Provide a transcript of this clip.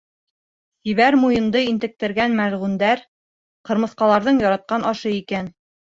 Сибәр Муйынды интектергән мәлғүндәр ҡырмыҫҡаларҙың яратҡан ашы икән.